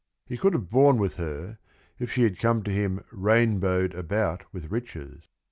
He could have borne with her, if she had come to him "rainbowed about with riches."